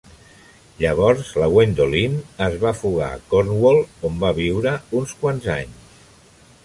Llavors la Gwendolen es va fugar a Cornwall, on va viure uns quants anys.